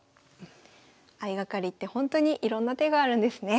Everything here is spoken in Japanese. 相掛かりってほんとにいろんな手があるんですね。